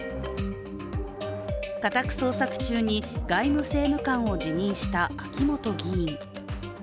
家宅捜索中に外務政務官を辞任した秋本議員。